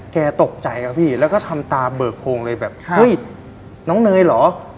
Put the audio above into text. แกตกใจครับพี่แล้วก็ทำตาเบิกโพงเลยแบบเฮ้ยน้องเนยเหรอ